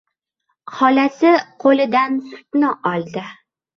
Xolasi qo‘lidan sutni oldi.